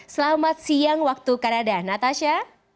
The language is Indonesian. selamat siang waktu kanada natasha